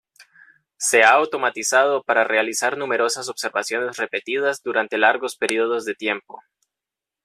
Se ha automatizado para realizar numerosas observaciones repetidas durante largos periodos de tiempo.